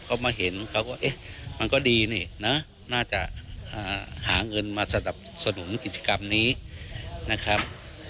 เขามาเห็นเขาก็เอ๊ะมันก็ดีนี่นะน่าจะหาเงินมาสนับสนุนกิจกรรมนี้นะครับ